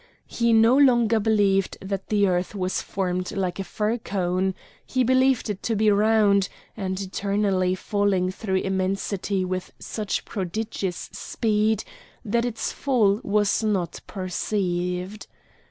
He no longer believed that the earth was formed like a fir cone; he believed it to be round, and eternally falling through immensity with such prodigious speed that its fall was not perceived.